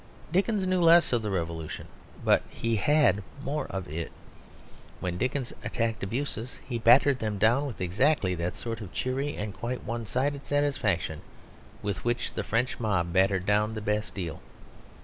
Dickens knew less of the Revolution, but he had more of it. When Dickens attacked abuses, he battered them down with exactly that sort of cheery and quite one sided satisfaction with which the French mob battered down the Bastille.